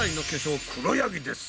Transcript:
うクロヤギです。